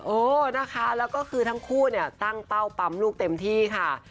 เออนะคะแล้วก็คือทั้งคู่เนี่ยตั้งเป้าปั๊มลูกเต็มที่ค่ะ